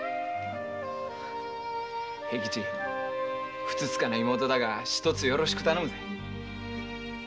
平吉ふつつかな妹だがよろしく頼むぜ。